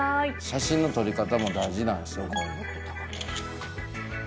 写真の撮り方も大事なんです